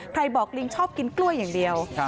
บอกลิงชอบกินกล้วยอย่างเดียว